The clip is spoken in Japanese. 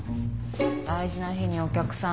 大事な日にお客さんの予定